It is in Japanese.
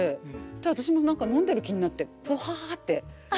で私も飲んでる気になって「ぷは！」って。